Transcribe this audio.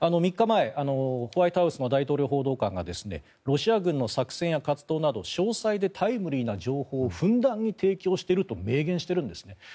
３日前ホワイトハウスの大統領報道官がロシア軍の作戦や活動など詳細でタイムリーな情報をふんだんに提供していると明言しているんです。